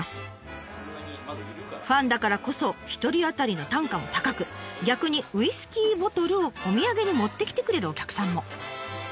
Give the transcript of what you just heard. ファンだからこそ一人当たりの単価も高く逆にウイスキーボトルをお土産に持ってきてくれるお客さんも。